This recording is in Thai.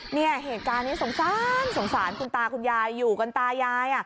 เนี่ยเหตุการณ์นี้สงสารสงสารคุณตาคุณยายอยู่กันตายาย